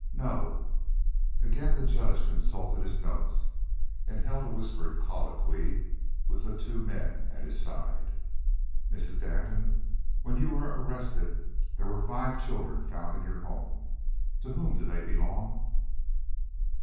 "No." Again the judge consulted his notes, and held a whispered colloquy with the two men at his table. "Mrs. Danton, when you were arrested there were five children found in your home. To whom do they belong?"